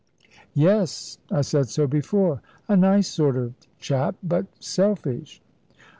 "Yes; I said so before. A nice sort of chap, but selfish."